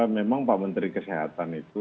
memang pak menteri kesehatan itu